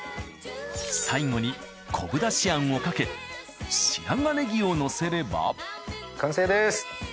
最後に昆布だしあんをかけ白髪ねぎをのせれば完成です！